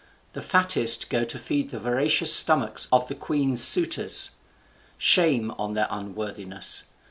The fattest go to feed the voracious stomachs of the queen's suitors. Shame on their unworthiness!